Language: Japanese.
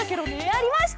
やりました！